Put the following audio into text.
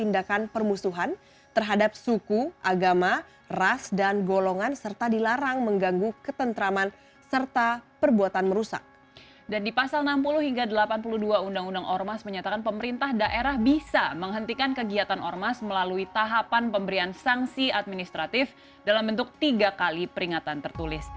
dan di pasal enam puluh hingga delapan puluh dua undang undang ormas menyatakan pemerintah daerah bisa menghentikan kegiatan ormas melalui tahapan pemberian sanksi administratif dalam bentuk tiga kali peringatan tertulis